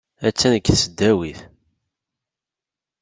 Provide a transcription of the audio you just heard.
Attan deg tesdawit.